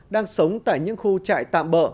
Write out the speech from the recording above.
đang sống tại những khu trại tạm bỡ